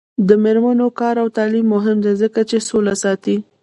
د میرمنو کار او تعلیم مهم دی ځکه چې سوله ساتي.